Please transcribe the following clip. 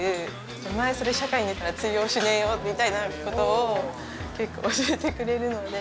お前、社会に出たら通用しねえよっていうことを教えてくれるので。